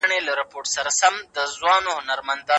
فساد د بشريت په زيان دی.